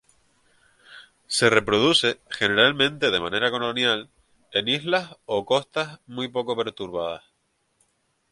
Se reproduce, generalmente de manera colonial, en islas o costas muy poco perturbadas.